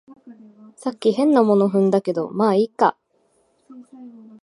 さっき変なもの踏んだけど、まあいいか